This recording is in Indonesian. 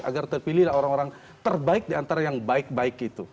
agar terpilih orang orang terbaik di antara yang baik baik itu